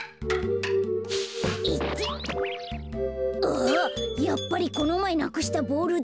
あやっぱりこのまえなくしたボールだ。